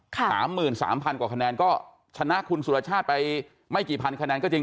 ๓๓๐๐๐กว่าคะแนนก็ชนะคุณสุรชาติไปไม่กี่พันคะแนนก็จริง